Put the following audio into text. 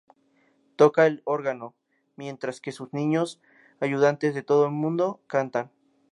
Toca el órgano, mientras que sus niños ayudantes de todo el mundo cantan.